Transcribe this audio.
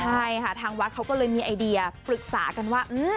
ใช่ค่ะทางวัดเขาก็เลยมีไอเดียปรึกษากันว่า